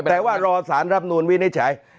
แต่ว่ารอสารรับนูลวินิจฉัย